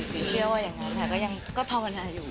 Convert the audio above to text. เชื่อว่าอย่างนั้นค่ะก็ยังก็ภาวนาอยู่